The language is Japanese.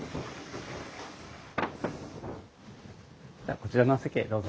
こちらのお席へどうぞ。